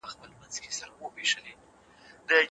دا سودا مي ومنه که ښه کوې